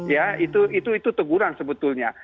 ya itu teguran sebetulnya